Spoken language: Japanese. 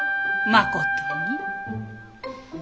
まことに。